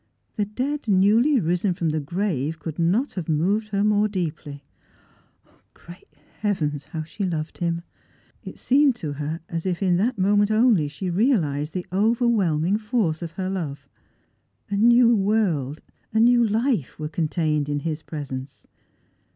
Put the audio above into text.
The dead newly risen from the grave could not have moved her more deeply. Great Heaven, how she loved him! It seemed to her as if in that moment only she realised the overwhelmiiig force of her love. A new world, a new life, were contained in his presence.